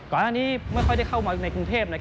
ก่อนหน้านี้ไม่ค่อยได้เข้ามาในกรุงเทพ